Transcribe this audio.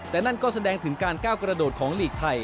แต่นั่นก็แสดงถึงการก้าวกระโดดของหลีกไทย